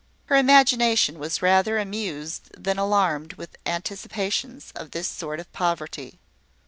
Her imagination was rather amused than alarmed with anticipations of this sort of poverty.